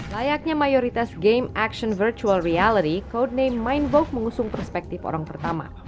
layaknya mayoritas game action virtual reality coud name mindvogue mengusung perspektif orang pertama